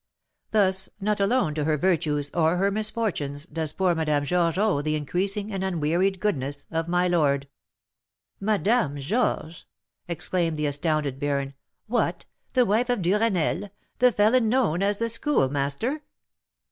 Thus, not alone to her virtues or her misfortunes does poor Madame Georges owe the increasing and unwearied goodness of my lord." "Madame Georges!" exclaimed the astounded baron. "What, the wife of Duresnel, the felon known as the Schoolmaster?"